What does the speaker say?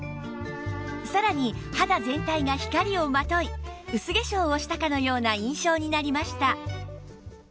さらに肌全体が光をまとい薄化粧をしたかのような印象になりました